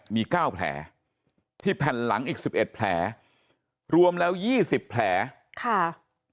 มีเก้าแผลที่แผ่นหลังอีกสิบเอ็ดแผลรวมแล้วยี่สิบแผลค่ะ